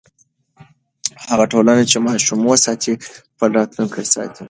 هغه ټولنه چې ماشوم ساتي، خپل راتلونکی ساتي.